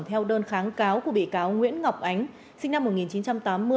theo đơn kháng cáo của bị cáo nguyễn ngọc ánh sinh năm một nghìn chín trăm tám mươi